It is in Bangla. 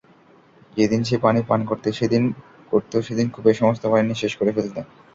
যেদিন সে পানি পান করত সেদিন কূপের সমস্ত পানি নিঃশেষ করে ফেলত।